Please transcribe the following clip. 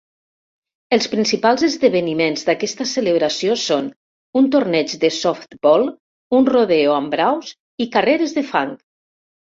Els principals esdeveniments d"aquesta celebració són un torneig de softbol, un rodeo amb braus i carreres de fang.